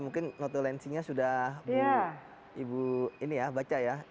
mungkin notulensinya sudah ibu ini ya baca ya